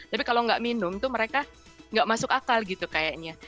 tapi kalau nggak minum tuh mereka gak masuk akal gitu kayaknya